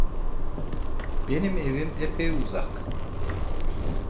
Benim evim epey uzak…